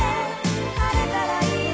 「晴れたらいいね」